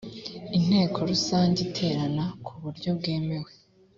inteko rusange iterana ku buryo bwemewe